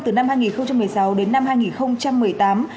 từ năm hai nghìn một mươi sáu đến năm hai nghìn một mươi tám